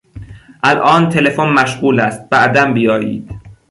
الان تلفن مشغول است، بعدا بیایید.